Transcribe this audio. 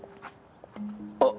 あっ！